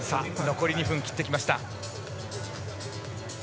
残り２分を切ってきました。